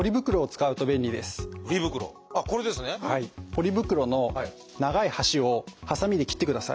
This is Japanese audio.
ポリ袋の長い端をはさみで切ってください。